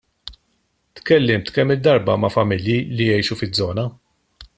Tkellimt kemm-il darba ma' familji li jgħixu fiż-żona.